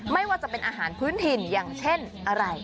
ไม่ว่าจะเป็นอาหารพื้นถิ่นอย่างเช่นอะไร